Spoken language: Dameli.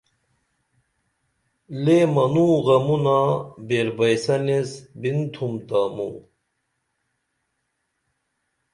لے منو غمونا بیر بئیسن ایس بِن تُھم تا موں